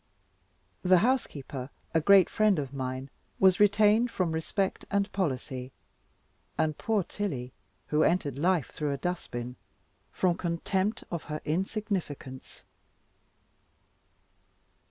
The housekeeper, a great friend of mine, was retained from respect and policy, and poor Tilly (who entered life through a dust bin) from contempt of her insignificance.